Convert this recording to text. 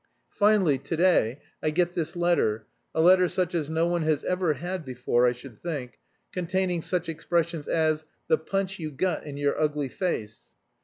Finally, to day, I get this letter, a letter such as no one has ever had before, I should think, containing such expressions as 'the punch you got in your ugly face.'